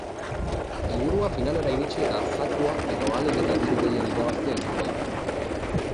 Helburua finalera iritsi eta zakua edo ahalik eta diru gehien irabaztea izango da.